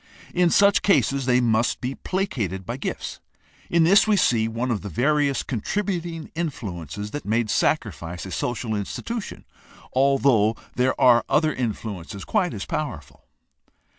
In such cases they must be placated by gifts. In this we see one of the various contributing influences that made sacrifice a social institution, although there are other influences quite as powerful.